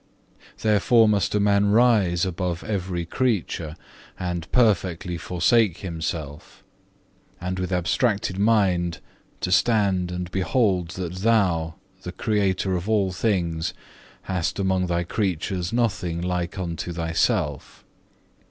Therefore must a man rise above every creature, and perfectly forsake himself, and with abstracted mind to stand and behold that Thou, the Creator of all things, hast among Thy creatures nothing like unto Thyself.